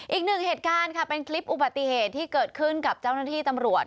อีกหนึ่งเหตุการณ์ค่ะเป็นคลิปอุบัติเหตุที่เกิดขึ้นกับเจ้าหน้าที่ตำรวจ